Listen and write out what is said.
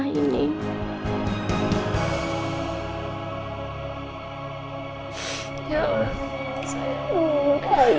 kini ga ada yang mau ke rumah ini